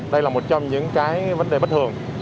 đây là một trong những vấn đề bất thường